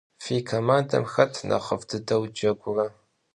Fi komandem xet nexhıf' dıdeu cegure?